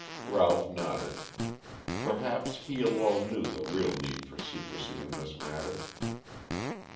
Ralph nodded. Perhaps he alone knew the real need for secrecy in this matter.